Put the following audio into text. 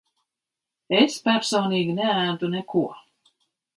Es personīgi neēdu neko.